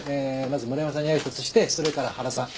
まず村山さんに挨拶してそれから原さん。